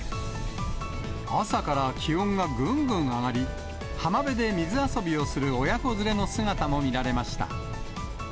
朝から気温がぐんぐん上がり、浜辺で水遊びをする親子連れの姿も見られました。